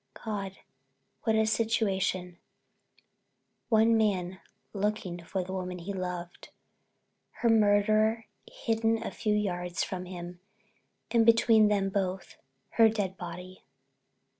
God, what a situation—one man looking for the woman he loved, her murderer hidden a few yards from him, and between them both her dead body!"